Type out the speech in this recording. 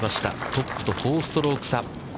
トップと４ストローク差。